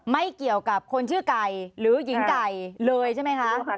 ไม่เกี่ยวกับคนชื่อไก่หรือหญิงไก่เลยใช่ไหมคะ